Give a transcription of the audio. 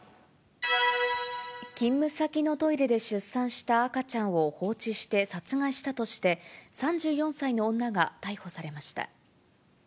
勤務先のトイレで出産した赤ちゃんを放置して殺害したとして、３４歳の女が逮捕されました。